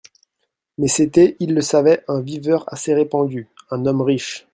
Mais c'était, il le savait, un viveur assez répandu, un homme riche.